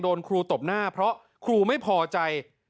ครูตบหน้าเพราะครูไม่พอใจ